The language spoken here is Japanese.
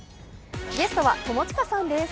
ゲストは友近さんです。